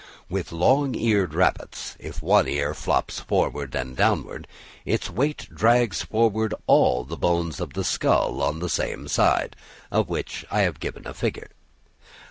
With long eared rabbits, if one ear flops forward and downward, its weight drags forward all the bones of the skull on the same side, of which I have given a figure.